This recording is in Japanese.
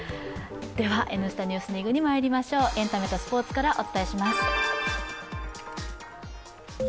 「Ｎスタ・ＮＥＷＳＤＩＧ」にまいります、エンタメとスポーツからです。